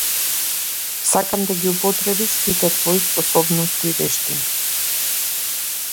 Сакам да ги употребиш сите твои способности и вештини.